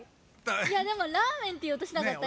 いやでも「ラーメン」っていおうとしなかった？